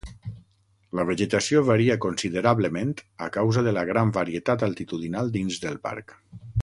La vegetació varia considerablement a causa de la gran varietat altitudinal dins del parc.